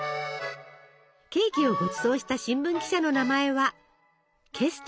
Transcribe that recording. ケーキをごちそうした新聞記者の名前はケストナーさん。